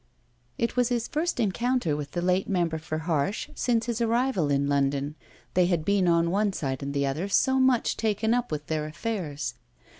It was his first encounter with the late member for Harsh since his arrival in London: they had been on one side and the other so much taken up with their affairs.